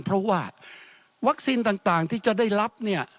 เพราะว่าวัคซีนต่างที่จะได้รับเนี่ย